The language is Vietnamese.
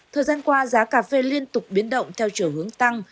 thời gian qua giá cà phê liên tục biến động theo chiều hướng tăng